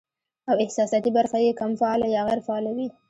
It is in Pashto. او احساساتي برخه ئې کم فعاله يا غېر فعاله وي